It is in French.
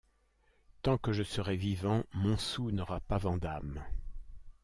Tant que je serai vivant, Montsou n’aura pas Vandame. ..